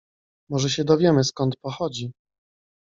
Może się dowiemy, skąd pochodzi.